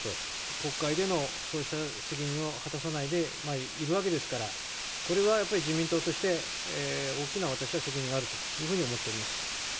国会でのそうした責任を果たさないでいるわけですから、これはやっぱり自民党として、大きな、私は責任があるというふうに思っております。